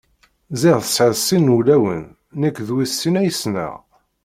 Ziɣ tesɛiḍ sin n wulawen, nekk d wis sin ay ssneɣ.